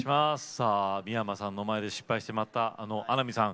さあ三山さんの前で失敗してしまった穴見さん。